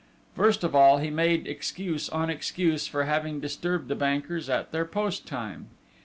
First of all, he made excuse on excuse for having disturbed the bankers at their post time.